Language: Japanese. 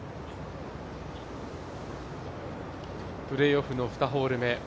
プレーオフの２ホール目。